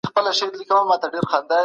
زه د طبیعي شربت په څښلو بوخت یم.